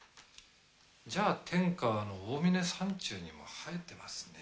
じゃあ天川の大峰山中にも生えてますね。